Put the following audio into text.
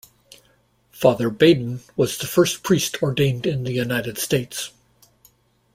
Father Badin was the first priest ordained in the United States.